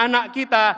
dan anak anak kita